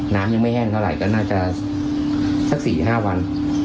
น้ำยังไม่แห้งเท่าไหร่ก็น่าจะสัก๔๕วัน